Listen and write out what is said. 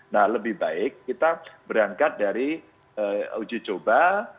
nah lebih baik kita berangkat dari uji coba